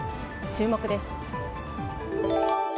注目です。